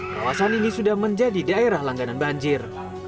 kawasan ini sudah menjadi daerah langganan banjir